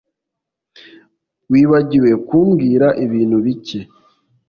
Wibagiwe kumbwira ibintu bike